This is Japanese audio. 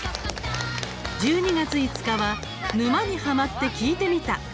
１２月５日は「沼にハマってきいてみた」。